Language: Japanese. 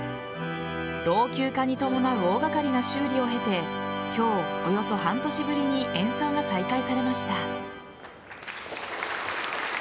老朽化に伴う大掛かりな修理を経て今日およそ半年ぶりに演奏が再開されました。